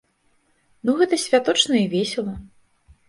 Ну гэта святочна і весела.